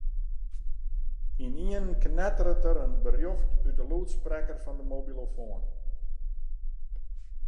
Ynienen knetteret der in berjocht út de lûdsprekker fan de mobilofoan.